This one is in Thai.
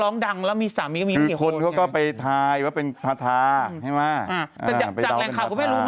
มันไม่ไลฟ์หรอก